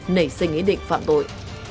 nảy sinh ý định phạm tội